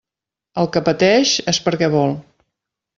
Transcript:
El que pateix, és perquè vol.